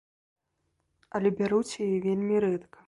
Але бяруць яе вельмі рэдка.